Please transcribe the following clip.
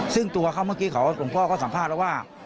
ซึ่งตัวเขาเมื่อกี้หลวงพ่อก็สัมภาษณ์แล้วว่า